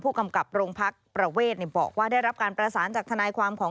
กำกับโรงพักประเวทบอกว่าได้รับการประสานจากทนายความของ